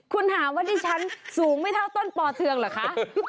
คุณถามว่าดิฉันสูงไม่เท่าต้นปอเทืองเหรอคะ